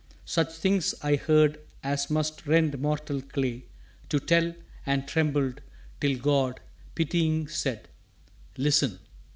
Such things I heard as must rend mortal clay To tell, and trembled till God, pitying, Said, "Listen"